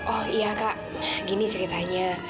oh iya kak gini ceritanya